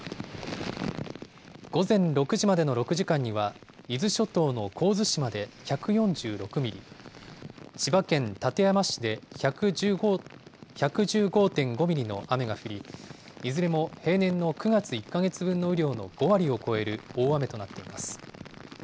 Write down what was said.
午前６時までの６時間には、伊豆諸島の神津島で１４６ミリ、千葉県館山市で１１５．５ミリの雨が降り、いずれも平年の９月１か月分の雨量の５割を超える大雨となっています。